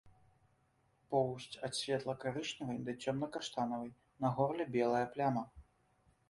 Поўсць ад светла-карычневай да цёмна-каштанавай, на горле белая пляма.